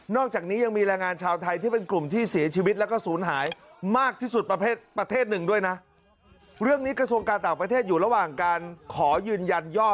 นอกจากนี้ยังมีแรงงานชาวไทยที่เป็นกลุ่มที่เสียชีวิตแล้วก็สูญหาย